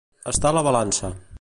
Estar a la balança.